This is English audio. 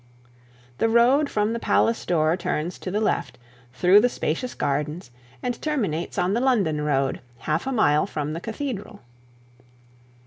The road from the palace door turns to the left, through the spacious gardens, and terminates on the London road, half a mile from the cathedral.